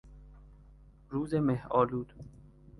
روز مهآلود